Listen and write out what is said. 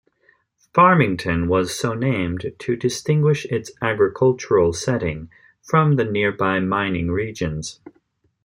Farmington was so named to distinguish its agricultural setting from the nearby mining regions.